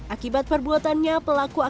akibat perbuatannya pelaku akibatnya